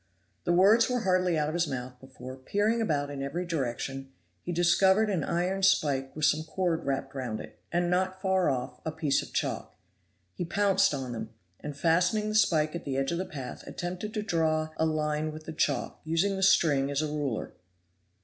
The words were hardly out of his mouth before, peering about in every direction, he discovered an iron spike with some cord wrapped round it and, not far off, a piece of chalk. He pounced on them, and fastening the spike at the edge of the path attempted to draw a line with the chalk, using the string as a ruler.